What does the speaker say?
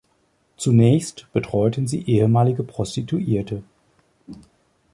Zunächst betreuten sie ehemalige Prostituierte.